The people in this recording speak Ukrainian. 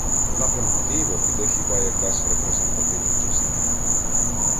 В напрямку Києва піде хіба якась репрезентативна частина.